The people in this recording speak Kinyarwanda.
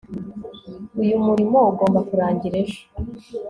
uyu murimo ugomba kurangira ejo